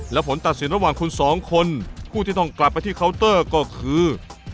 และผลตัดสินระหว่างคุณสองคนผู้ที่ต้องกลับไปที่เคาน์เตอร์ก็คือ